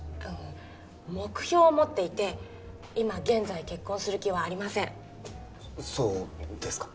目標を持っていて今現在結婚する気はありませんそうですか